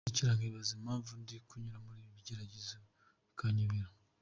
Ndicara nkibaza impamvu ndi kunyura muri ibi bigeragezo, bikanyobera.